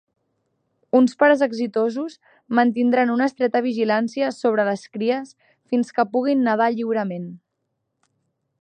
Uns pares exitosos mantindran una estreta vigilància sobre les cries fins que puguin nedar lliurement.